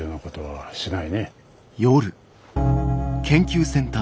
はい！